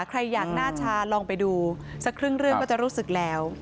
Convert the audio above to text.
ใครอยากหน้าชาลองไปดูสักครึ่งเรื่องก็จะรู้สึกแล้ว